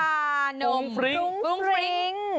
ขนมฟริ้งฟริ้ง